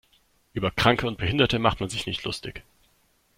Über Kranke und Behinderte macht man sich nicht lustig.